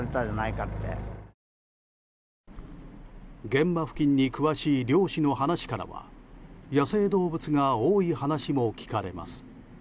現場付近に詳しい猟師の話からは野生動物が多い話も聞かれます。